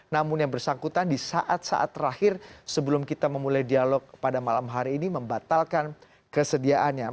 namun yang bersangkutan di saat saat terakhir sebelum kita memulai dialog pada malam hari ini membatalkan kesediaannya